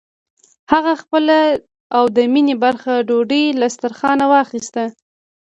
هغه خپله او د مينې برخه ډوډۍ له دسترخوانه واخيسته.